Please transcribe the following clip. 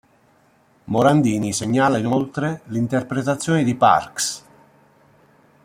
Morandini segnala inoltre l'interpretazione di Parks.